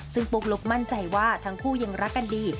ซึ่งปุ๊กลุ๊กมั่นใจว่าทั้งคู่ยังรักกันดี